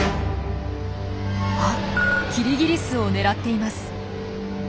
あっキリギリスを狙っています。